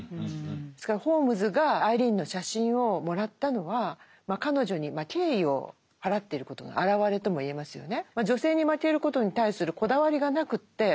ですからホームズがアイリーンの写真をもらったのは彼女に敬意を払っていることの表れとも言えますよね。